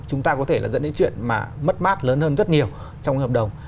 chúng ta có thể là dẫn đến chuyện mà mất mát lớn hơn rất nhiều trong hợp đồng